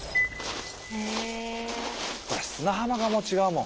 砂浜がもう違うもん。